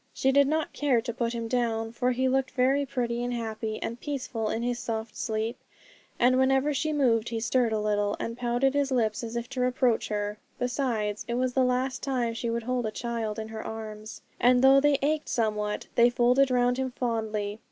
She did not care to put him down, for he looked very pretty, and happy, and peaceful in his soft sleep, and whenever she moved he stirred a little, and pouted his lips as if to reproach her. Besides, it was the last time she would hold a child in her arms; and though they ached somewhat, they folded round him fondly.